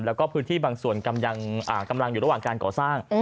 แล้วก็พื้นที่บางส่วนกำลังอยู่ระหว่างการก่อสร้าง